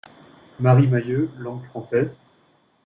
Marie Mahieu, langue française.